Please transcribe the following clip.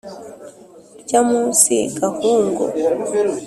urya munsi gahungu